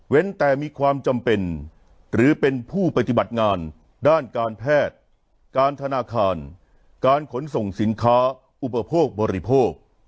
แต่มีความจำเป็นหรือเป็นผู้ปฏิบัติงานด้านการแพทย์การธนาคารการขนส่งสินค้าอุปโภคบริโภค